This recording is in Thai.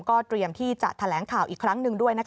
ก็เตรียมที่จะแถลงข่าวอีกครั้งหนึ่งด้วย